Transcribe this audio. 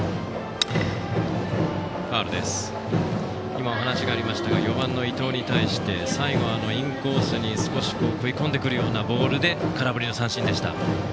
今お話がありましたが４番の伊藤に対して最後はインコースに、少し食い込んでくるようなボールで空振りの三振でした。